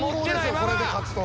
これで勝つと。